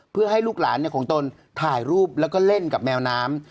เพื่อให้ลูกหลานของตนถ่ายรูปแล้วก็เล่นกับแมวน้ำ